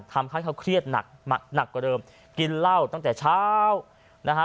ทำให้เขาเครียดหนักหนักกว่าเดิมกินเหล้าตั้งแต่เช้านะฮะ